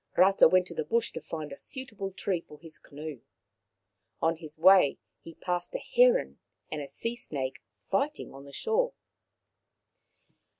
Rata went to the bush to find a suitable tree for his canoe. On his way he passed a heron and a sea snake fighting on the shore.